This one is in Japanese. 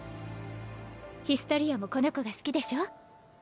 ヒストリアもこの子が好きでしょ？